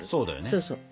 そうそう。